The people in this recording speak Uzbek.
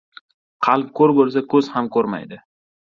• Qalb ko‘r bo‘lsa ko‘z ham ko‘rmaydi.